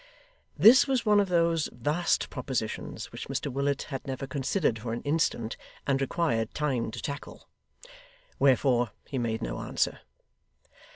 This was one of those vast propositions which Mr Willet had never considered for an instant, and required time to 'tackle.' Wherefore he made no answer.